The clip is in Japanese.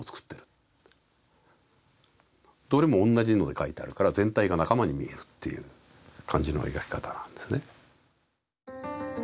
どれも同じので描いてあるから全体が仲間に見えるっていう感じの描き方なんですね。